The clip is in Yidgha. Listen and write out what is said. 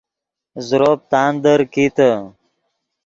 زروپ تاندیر کیتے